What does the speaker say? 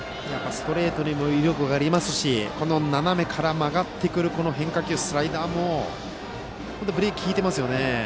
ストレートにも威力がありますしこの斜めから曲がってくる変化球スライダーも、本当にブレーキが利いてますよね。